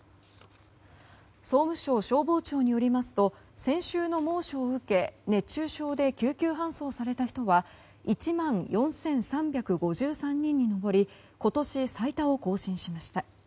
総務省消防庁によりますと先週の猛暑を受け熱中症で救急搬送された人は１万４３５３人に上り今年最多を更新しました。